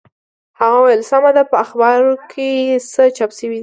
هغه وویل سمه ده په اخبارو کې څه چاپ شوي دي.